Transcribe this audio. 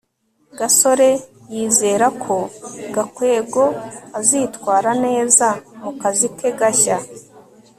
gasore yizera ko gakwego azitwara neza mu kazi ke gashya